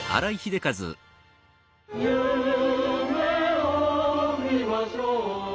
「夢を見ましょう」